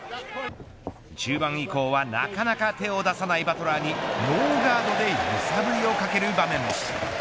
中盤以降は、なかなか手を出さないバトラーにノーガードで揺さぶりをかける場面も。